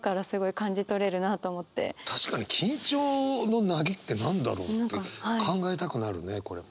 確かに「緊張の凪」って何だろう？って考えたくなるねこれ。